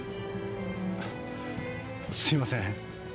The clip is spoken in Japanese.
あすいません